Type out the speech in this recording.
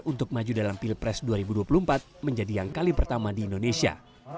untuk maju dalam pilpres dua ribu dua puluh empat menjadi yang kali pertama di indonesia